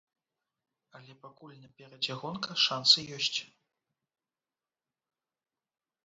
Але пакуль наперадзе гонка, шансы ёсць.